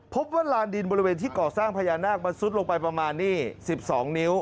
ว่าลานดินบริเวณที่ก่อสร้างพญานาคมันซุดลงไปประมาณนี้๑๒นิ้ว